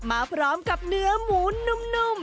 มาพร้อมกับเนื้อหมูนุ่ม